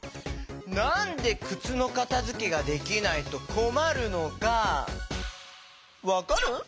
なんでくつのかたづけができないとこまるのかわかる？